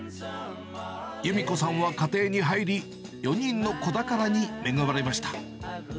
ゆみ子さんは家庭に入り、４人の子宝に恵まれました。